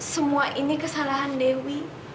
semua ini kesalahan dewi